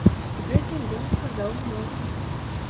Гэтым ён сказаў многа.